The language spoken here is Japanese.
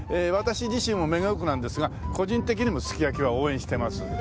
私自身は目黒区なんですが個人的にもすき焼きは応援してます。